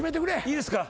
いいですか？